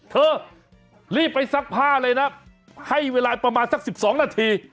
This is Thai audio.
เธอรีบไปซักผ้าเลยนะให้เวลาประมาณสัก๑๒นาที